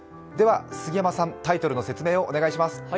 杉山さん、タイトルの説明をお願いします。